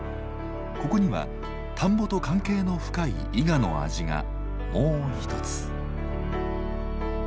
ここには田んぼと関係の深い伊賀の味がもう一つ。